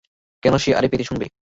কেন সে আঁড়ি পেতে শুনবে?